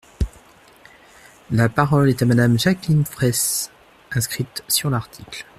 La parole est à Madame Jacqueline Fraysse, inscrite sur l’article.